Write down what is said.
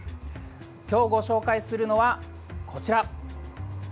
今日ご紹介するのは、こちら。